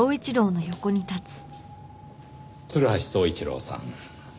鶴橋宗一郎さん。